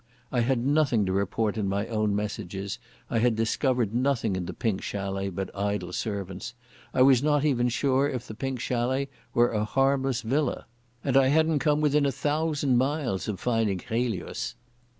I had nothing to report in my own messages, I had discovered nothing in the Pink Chalet but idle servants, I was not even sure if the Pink Chalet were not a harmless villa, and I hadn't come within a thousand miles of finding Chelius.